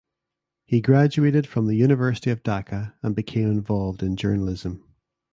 He graduated from the University of Dhaka and became involved in journalism.